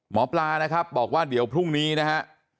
หมอปลานะครับบอกว่าเดี๋ยวพรุ่งนี้นะฮะ